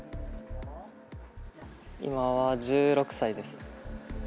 今は１６歳です。